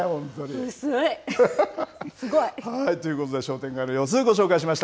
薄い。ということで、商店街の様子、ご紹介しました。